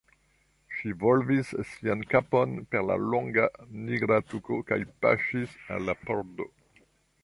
Ŝi volvis sian kapon per la longa nigra tuko kaj paŝis al la pordo.